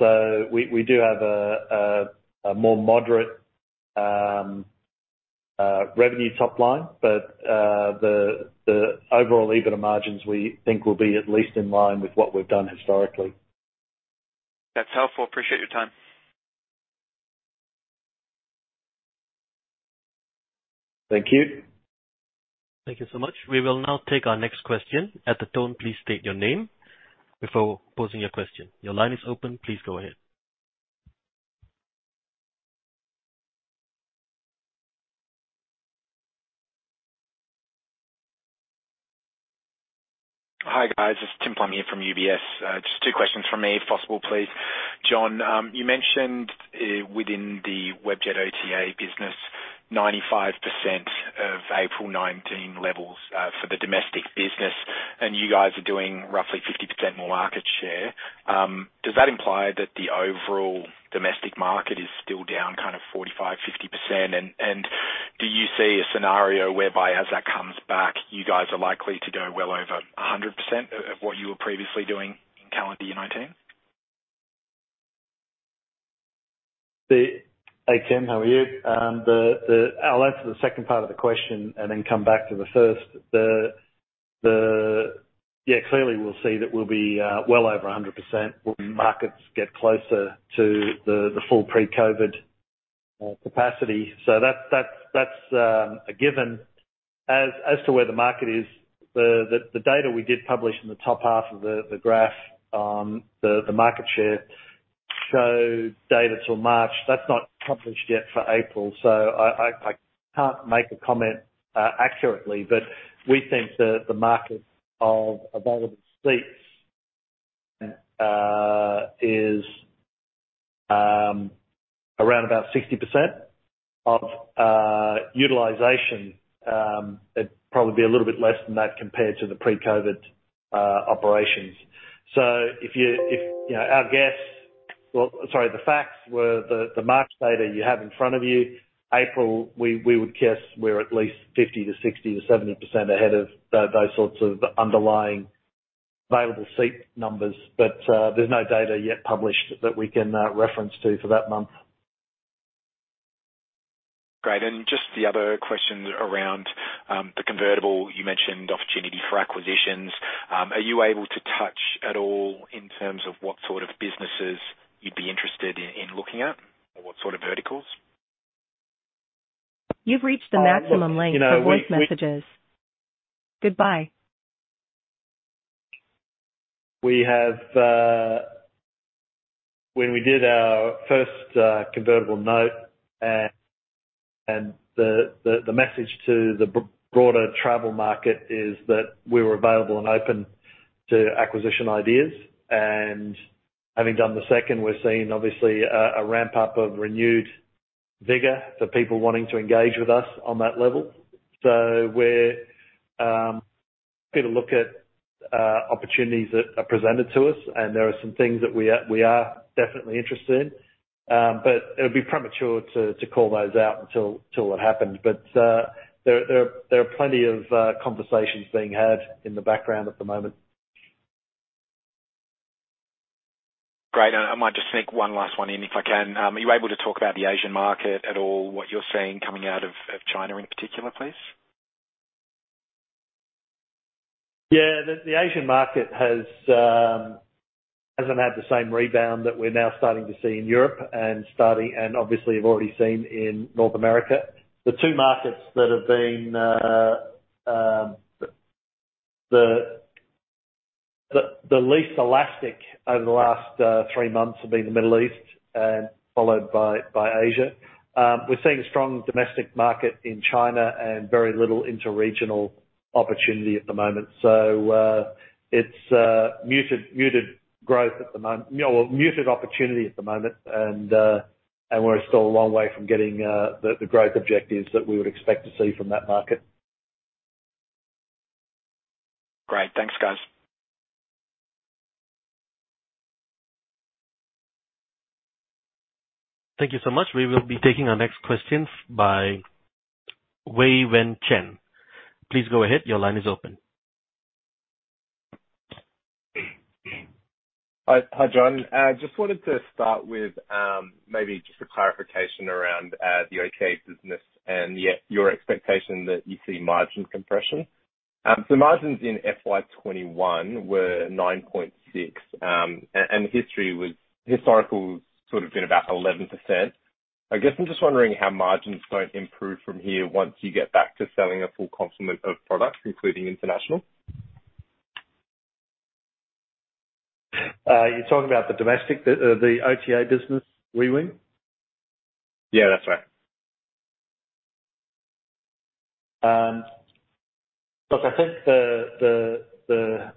We do have a more moderate revenue top line, but the overall EBITDA margins we think will be at least in line with what we've done historically. That's helpful. Appreciate your time. Thank you. Thank you so much. We will now take our next question. At the tone, please state your name before posing your question. Hi, guys. It's Tim Flynn here from UBS. Just two questions from me, if possible, please. John, you mentioned within the Webjet OTA business, 95% of April 2019 levels for the domestic business, you guys are doing roughly 50% more market share. Does that imply that the overall domestic market is still down 45, 50%? Do you see a scenario whereby as that comes back, you guys are likely to go well over 100% of what you were previously doing calendar year 2019? Hey, Tim. How are you? I'll answer the second part of the question and then come back to the first. Yeah, clearly, we'll see that we'll be well over 100% when markets get closer to the full pre-COVID capacity. That's a given. As to where the market is, the data we did publish in the top half of the graph, the market share show data till March, that's not published yet for April. I can't make a comment accurately, but we think that the market of available seats is around about 60% of utilization. It'd probably be a little bit less than that compared to the pre-COVID operations. Our guess, well, sorry, the facts were the March data you have in front of you. April, we would guess we're at least 50% to 60% to 70% ahead of those sorts of underlying available seat numbers. There's no data yet published that we can reference to for that month. Great. Just the other question around the convertible. You mentioned opportunity for acquisitions. Are you able to touch at all in terms of what sort of businesses you'd be interested in looking at or what sort of verticals? When we did our first convertible note, the message to the broader travel market is that we're available and open to acquisition ideas. Having done the second, we're seeing obviously a ramp-up of renewed vigor for people wanting to engage with us on that level. We're going to look at opportunities that are presented to us, and there are some things that we are definitely interested in. It'd be premature to call those out until it happens. There are plenty of conversations being had in the background at the moment. Great. I might just sneak one last one in, if I can. Are you able to talk about the Asian market at all, what you're seeing coming out of China in particular, please? Yeah. The Asian market hasn't had the same rebound that we're now starting to see in Europe and obviously have already seen in North America. The two markets that have been the least elastic over the last three months have been the Middle East and followed by Asia. We're seeing a strong domestic market in China and very little interregional opportunity at the moment. It's muted opportunity at the moment, and we're still a long way from getting the growth objectives that we would expect to see from that market. Great. Thanks, guys. Thank you so much. We will be taking our next questions by Wei-Weng Chen. Please go ahead. Your line is open. Hi, John. Just wanted to start with maybe just a clarification around the OTA business and your expectation that you see margin compression. Margins in FY 2021 were 9.6%, and historical has sort of been about 11%. I guess I'm just wondering how margins are going to improve from here once you get back to selling a full complement of products, including international. You're talking about the domestic, the OTA business, Wei Wen? Yeah, that's right. Look, I think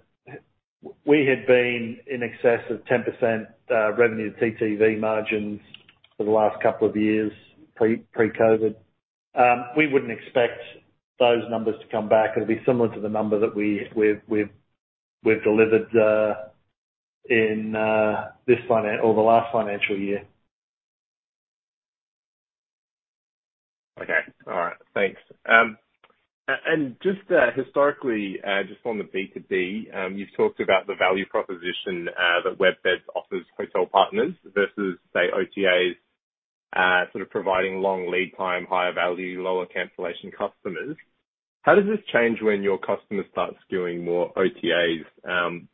we had been in excess of 10% revenue TTV margins for the last couple of years pre-COVID. We wouldn't expect those numbers to come back. It'll be similar to the number that we've delivered in the last financial year. Okay. All right. Thanks. Just historically, just on the B2B, you talked about the value proposition that WebBeds offers hotel partners versus, say, OTAs, sort of providing long lead time, higher value, lower cancellation customers. How does this change when your customer starts doing more OTAs?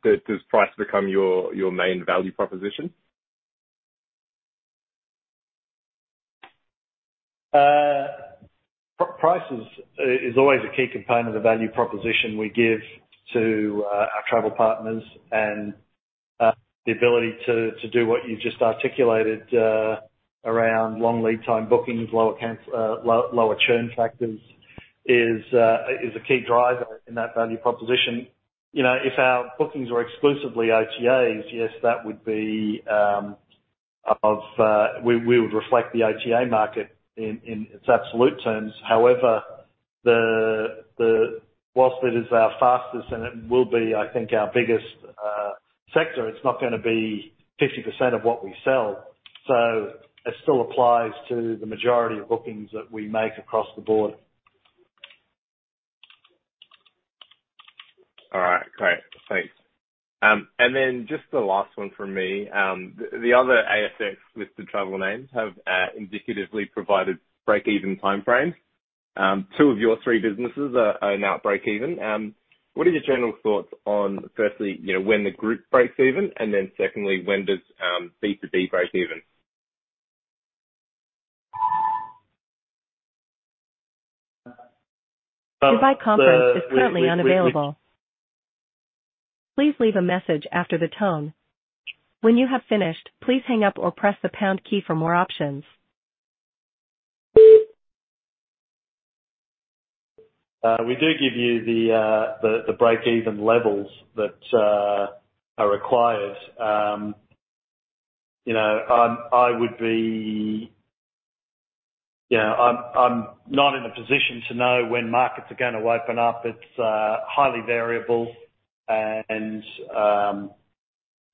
Does price become your main value proposition? Price is always a key component of the value proposition we give to our travel partners and the ability to do what you just articulated around long lead time bookings, lower churn factors, is a key driver in that value proposition. If our bookings were exclusively OTAs, yes, we would reflect the OTA market in its absolute terms. However, whilst it is our fastest and it will be, I think, our biggest sector, it is not going to be 50% of what we sell. It still applies to the majority of bookings that we make across the board. All right, great. Thanks. Just the last one from me. The other ASX-listed travel names have indicatively provided break-even time frames. Two of your three businesses are now break-even. What are your general thoughts on, firstly, when the Group breaks even, and then secondly, when does B2B break even? We do give you the break-even levels that are required. I'm not in a position to know when markets are going to open up. It's highly variable.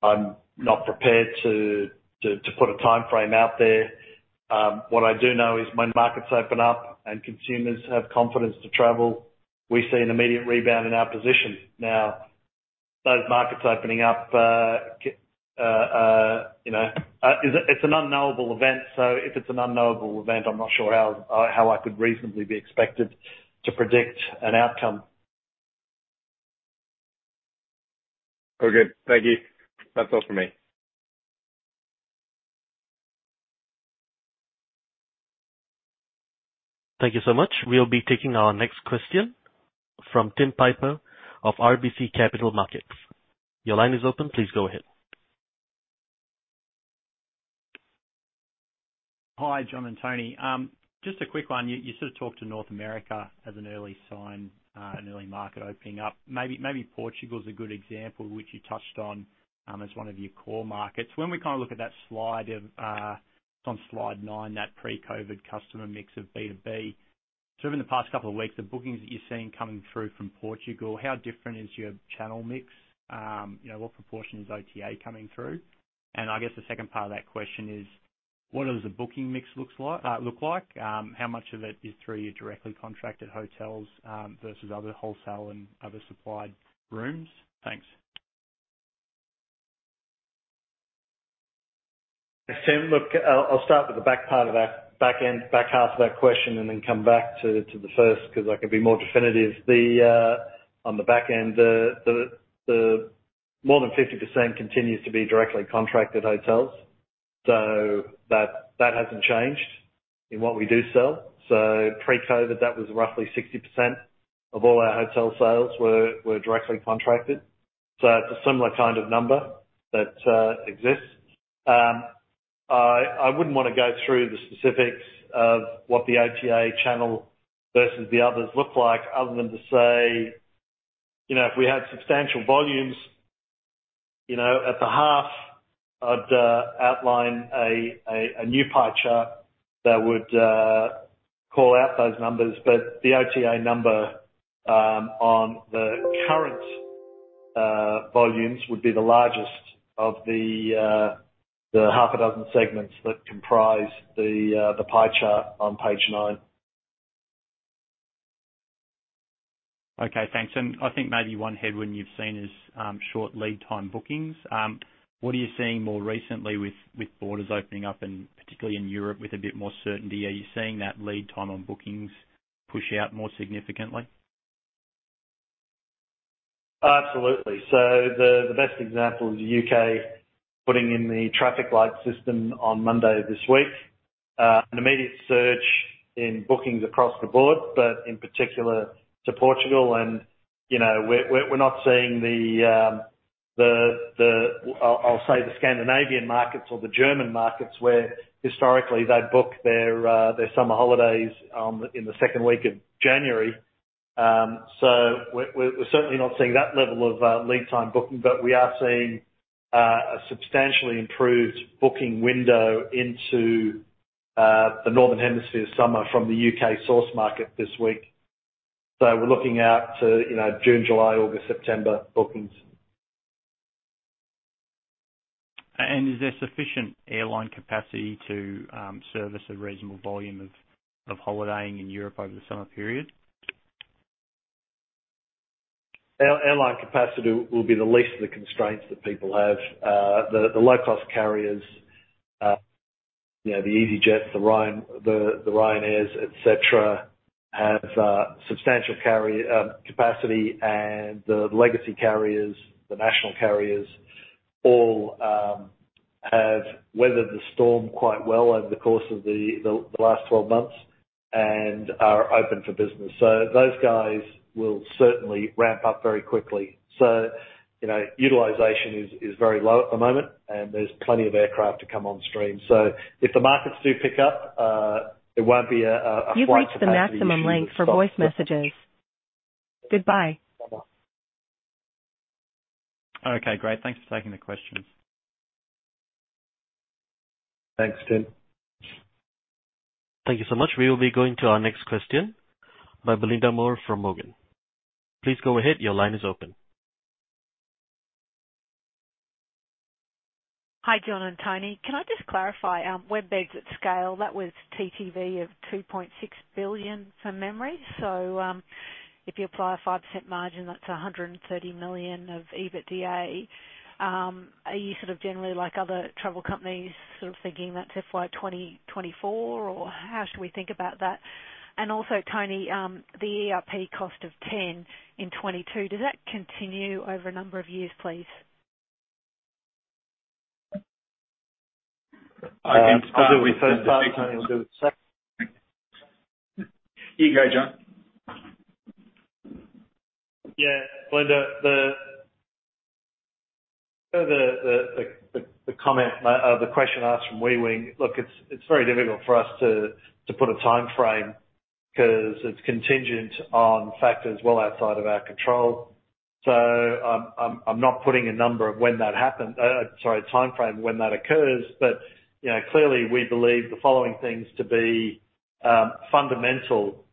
I'm not prepared to put a timeframe out there. What I do know is when markets open up and consumers have confidence to travel, we see an immediate rebound in our position. Those markets opening up, it's an unknowable event. If it's an unknowable event, I'm not sure how I could reasonably be expected to predict an outcome. Okay, thank you. That's all for me. Thank you so much. We'll be taking our next question from Tim Piper of RBC Capital Markets. Your line is open. Please go ahead. Hi, John and Tony. Just a quick one. You sort of talked to North America as an early sign, an early market opening up. Maybe Portugal is a good example, which you touched on as one of your core markets. When we look at that slide, on slide nine, that pre-COVID customer mix of B2B. Over the past couple of weeks, the bookings that you're seeing coming through from Portugal, how different is your channel mix? What proportion is OTA coming through? I guess the second part of that question is, what does the booking mix look like? How much of it is through your directly contracted hotels versus other wholesale and other supplied rooms? Thanks. Tim, look, I'll start with the back half of that question and then come back to the first because I can be more definitive. On the back end, more than 50% continues to be directly contracted hotels. That hasn't changed in what we do sell. Pre-COVID, that was roughly 60% of all our hotel sales were directly contracted. It's a similar kind of number that exists. I wouldn't want to go through the specifics of what the OTA channel versus the others look like other than to say, if we had substantial volumes, at the half I'd outline a new pie chart that would call out those numbers. The OTA number on the current volumes would be the largest of the half a dozen segments that comprise the pie chart on page nine. Okay, thanks. I think maybe one headwind you've seen is short lead time bookings. What are you seeing more recently with borders opening up, and particularly in Europe with a bit more certainty? Are you seeing that lead time on bookings push out more significantly? Absolutely. The best example is the U.K. putting in the traffic light system on Monday this week. An immediate surge in bookings across the board, but in particular to Portugal. We're not seeing, I'll say, the Scandinavian markets or the German markets, where historically they book their summer holidays in the second week of January. We're certainly not seeing that level of lead time booking, but we are seeing a substantially improved booking window into the Northern Hemisphere summer from the U.K. source market this week. We're looking out to June, July, August, September bookings. Is there sufficient airline capacity to service a reasonable volume of holidaying in Europe over the summer period? Airline capacity will be the least of the constraints that people have. The low-cost carriers, the easyJet, the Ryanair, et cetera, have substantial capacity and the legacy carriers, the national carriers, all have weathered the storm quite well over the course of the last 12 months and are open for business. Those guys will certainly ramp up very quickly. Utilization is very low at the moment, and there's plenty of aircraft to come on stream. If the markets do pick up, it won't be a flight for capacity issue. Okay, great. Thanks for taking the question. Thanks, Tim. Thank you so much. We'll be going to our next question by Belinda Moore from Morgans. Please go ahead. Your line is open. Hi, John and Tony. Can I just clarify, WebBeds at scale, that was TTV of 2.6 billion from memory. If you apply a 5% margin, that's 130 million of EBITDA. Are you sort of generally like other travel companies sort of thinking that's FY 2024, or how should we think about that? Tony, the ERP cost of 10 in 2022, does that continue over a number of years, please? I can. I'll deal with that one, Tony. You go, John. Yeah, Belinda, the comment, the question asked from Wei Wen, look, it's very difficult for us to put a timeframe because it's contingent on factors well outside of our control. I'm not putting a number of when that happens, sorry, timeframe when that occurs. Clearly we believe the following things to be fundamental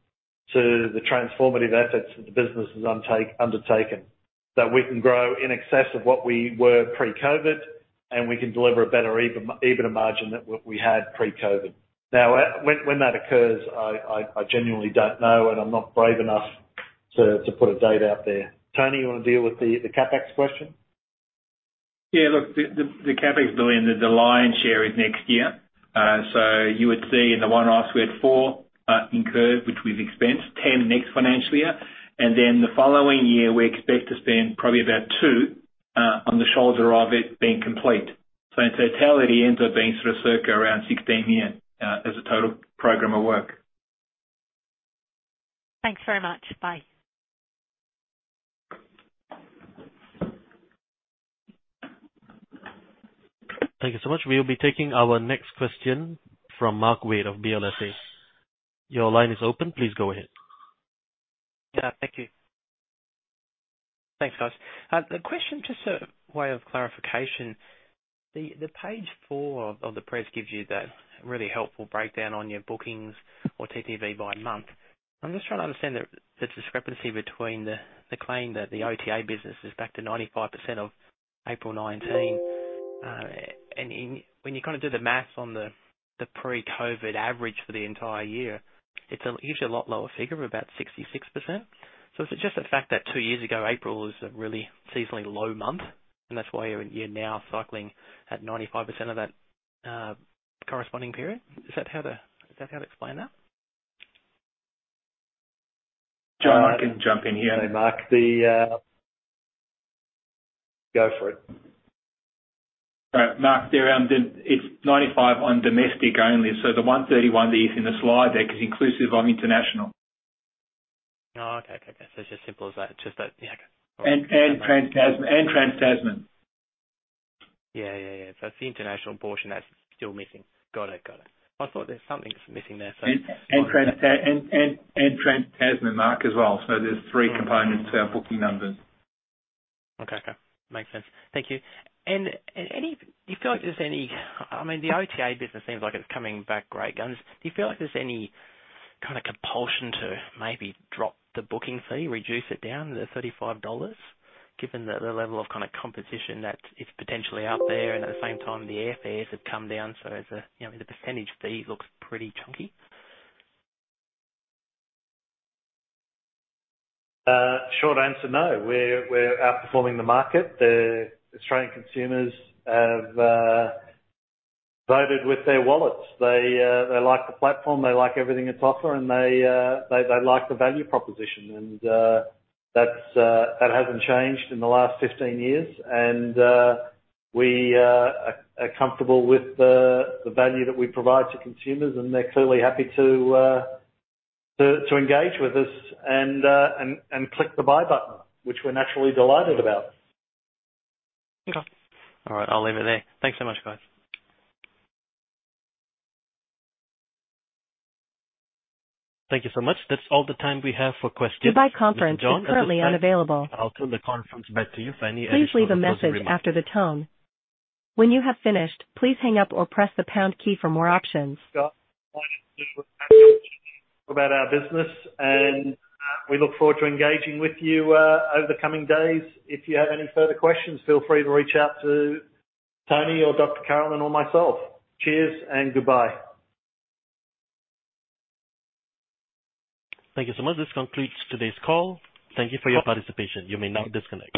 to the transformative efforts that the business has undertaken. That we can grow in excess of what we were pre-COVID, and we can deliver a better EBITDA margin than what we had pre-COVID. Now, when that occurs, I genuinely don't know, and I'm not brave enough to put a date out there. Tony, you want to deal with the CapEx question? The CapEx million, the lion's share is next year. You would see in the one I showed four incurred, which we've expensed, 10 million next financial year. The following year, we expect to spend probably about 2 million on the shoulder of it being complete. In totality ends up being circa 16 million here as a total program of work. Thanks very much. Bye. Thank you so much. We'll be taking our next question from Mark Viviers of BLSA. Your line is open. Please go ahead. Yeah, thank you. Thanks, guys. The question just a way of clarification. The page four of the press gives you that really helpful breakdown on your bookings or TTV by month. I'm just trying to understand the discrepancy between the claim that the OTA business is back to 95% of April 2019. When you do the math on the pre-COVID average for the entire year, it's usually a lot lower figure of about 66%. Is it just the fact that two years ago, April was a really seasonally low month, and that's why you're now cycling at 95% of that corresponding period? Is that how to explain that? John, I can jump in here, Mark. Go for it. Mark, it's 95 on domestic only. The 131 that you see in the slide there is inclusive of international. Oh, okay. It's just simple as that. Just that, yeah. Trans-Tasman. Yeah. It's the international portion that's still missing. Got it. I thought there's something missing there. Trans-Tasman, Mark, as well. There's three components to our booking numbers. Okay. Makes sense. Thank you. If you feel like there's any I mean, the OTA business seems like it's coming back great. Do you feel like there's any kind of compulsion to maybe drop the booking fee, reduce it down to 35 dollars, given the level of competition that is potentially out there? At the same time, the airfares have come down, the percentage fee looks pretty chunky. Short answer, no. We're outperforming the market. The Australian consumers have voted with their wallets. They like the platform. They like everything that's offered, and they like the value proposition. That hasn't changed in the last 15 years. We are comfortable with the value that we provide to consumers, and they're clearly happy to engage with us and click the buy button, which we're naturally delighted about. Okay. All right. I'll leave it there. Thanks so much, guys. Thank you so much. That's all the time we have for questions. I'll turn the conference back to you. About our business. We look forward to engaging with you over the coming days. If you have any further questions, feel free to reach out to Tony or Carolyn or myself. Cheers and goodbye. Thank you so much. This concludes today's call. Thank you for your participation. You may now disconnect.